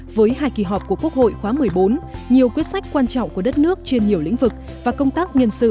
với hai kỳ họp của quốc hội khóa một mươi bốn nhiều quyết sách quan trọng của đất nước trên nhiều lĩnh vực và công tác nhân sự